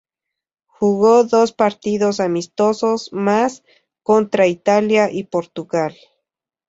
Jugó dos partidos amistosos más, contra Italia y Portugal.